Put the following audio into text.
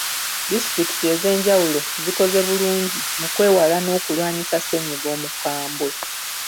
Disitulikiti ez’enjawulo zikoze bulungi mu kwewala n’okulwanyisa ssenyiga omukambwe.